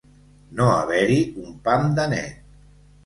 No haver-hi un pam de net.